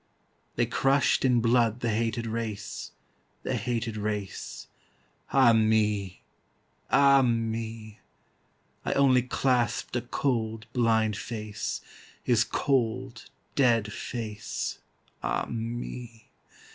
They crushed in blood the hated race, The hated race. Ah me! Ah me!I only clasped a cold, blind face, His cold, dead face. Ah me!